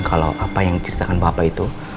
kalau apa yang diceritakan bapak itu